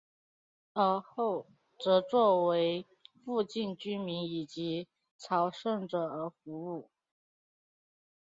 尔后则作为附近居民以及朝圣者而服务。